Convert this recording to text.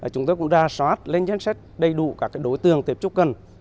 chúng tôi cũng ra soát lên danh sách đầy đủ các đối tượng tiếp trúc cần